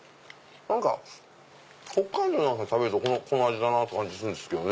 何か北海道なんかで食べるとこの味だなって感じするんすけど。